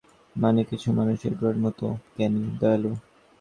মানে, কিছু মানুষ এডওয়ার্ডের মতোঃ জ্ঞানী, দয়ালু।